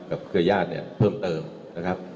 เครือญาติเนี่ยเพิ่มเติมนะครับ